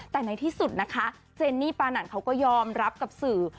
แต่ในที่สุดนะคะเจนนี่ปานันเขาก็ยอมรับกับสื่อ